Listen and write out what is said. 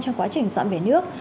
trong quá trình dọn bể nước